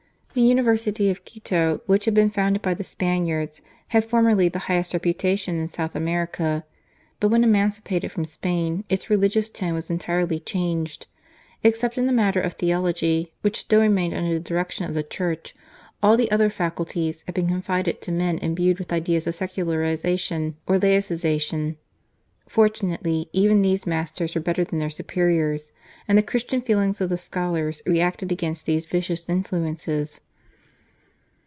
The University of ■Quito, which had been founded by the Spaniards, had formerly the highest reputation in South America. But when emancipated from Spain, its religious tone was entirely changed. Except in the matter of theology, which still remained under the LIFE AS A STUDENT. direction of the Church, all the other faculties had been confided to men imbued with ideas of secu larization or " laicization." Fortunately, even these masters were better than their Superiors, and the Christian feelings of the scholars reacted against these vicious influences.